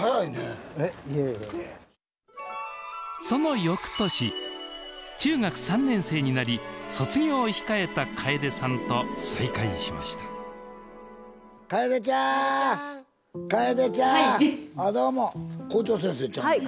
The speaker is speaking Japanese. そのよくとし中学３年生になり卒業を控えた楓さんと再会しました楓ちゃん！